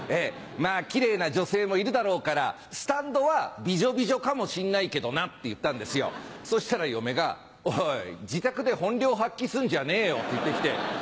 「まぁキレイな女性もいるだろうからスタンドはビジョビジョかもしんないけどな」って言ったんですよそしたら嫁が「おい自宅で本領発揮すんじゃねえよ」って言って来て。